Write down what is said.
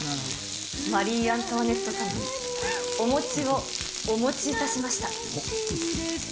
マリー・アントワネット様、お餅をおもちいたしました。